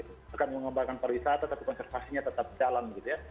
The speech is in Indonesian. bukan mengembangkan pariwisata tetap konservasinya tetap jalan gitu ya